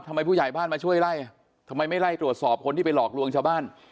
ผู้ใหญ่บ้านมาช่วยไล่ทำไมไม่ไล่ตรวจสอบคนที่ไปหลอกลวงชาวบ้าน